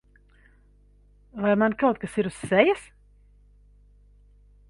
Vai man kaut kas ir uz sejas?